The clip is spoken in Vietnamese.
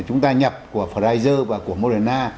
chúng ta nhập của pfizer và của moderna